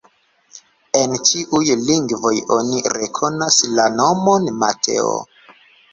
En ĉiuj lingvoj oni rekonas la nomon Mateo.